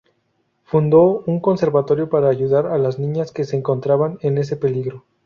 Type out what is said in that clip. Fundó un conservatorio para ayudar a las niñas que se encontraban en ese peligro.